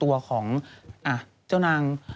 เป็นเกจิการณ์ไหน